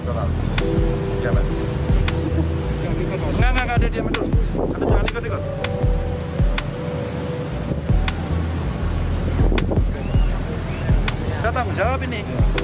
datang jawab ini